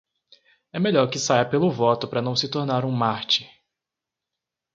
É melhor que saia pelo voto para não se tornar um mártir